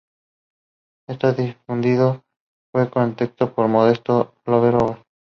Este discurso fue contestado por Modesto López Otero.